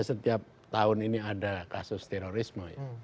setiap tahun ini ada kasus terorisme